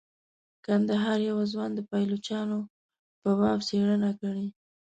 کندهار یوه ځوان د پایلوچانو په باب څیړنه کړې.